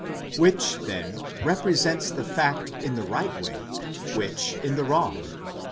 § Which then represents the fact in the right way, which in the wrong?